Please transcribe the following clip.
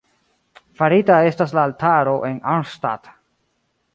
Farita estas la altaro en Arnstadt.